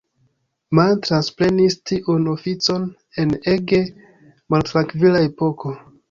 Mann transprenis tiun oficon en ege maltrankvila epoko.